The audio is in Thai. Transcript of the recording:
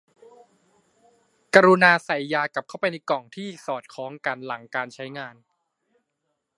กรุณาใส่ยากลับเข้าไปในกล่องที่สอดคล้องกันหลังการใช้งาน